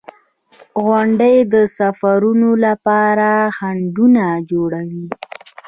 • غونډۍ د سفرونو لپاره خنډونه جوړوي.